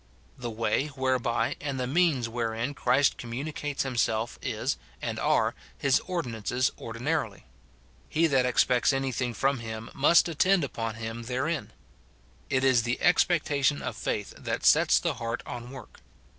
The way whereby and the means wherein Christ communicates himself is, and are, his ordinances ordinarily ; he that expects any thing from him must attend upon him therein. It is the ex pectation of faith that sets the heart on work.